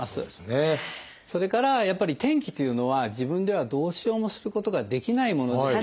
それからやっぱり天気というのは自分ではどうしようもすることができないものですよね。